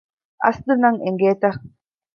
އަސްލު ނަން އެނގޭތަ؟